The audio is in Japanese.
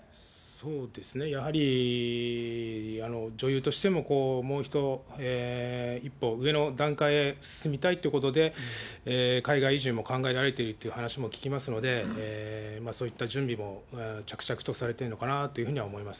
そうですね、やはり女優としてももう一歩上の段階へ進みたいということで、海外移住も考えられてるという話も聞きますので、そういった準備も着々とされてるのかなというふうには思います。